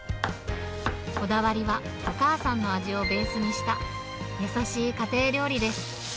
こだわりは、お母さんの味をベースにした、優しい家庭料理です。